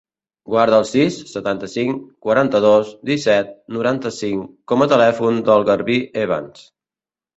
Guarda el sis, setanta-cinc, quaranta-dos, disset, noranta-cinc com a telèfon del Garbí Evans.